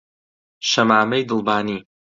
شەمامەی دڵبانی